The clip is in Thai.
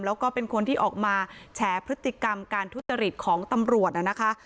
แล้วก็เป็นคนที่ออกมาแฉพฤติกรรมการทุจริตของตำรวจนะคะ